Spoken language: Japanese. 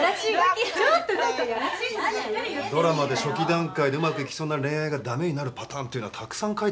ドラマで初期段階でうまくいきそうになる恋愛が駄目になるパターンっていうのはたくさん書いたな。